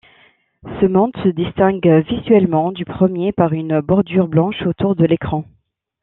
Ce mode se distingue visuellement du premier par une bordure blanche autour de l'écran.